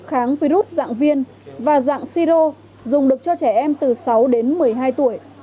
kháng virus dạng viên và dạng siro dùng được cho trẻ em từ sáu đến một mươi hai tuổi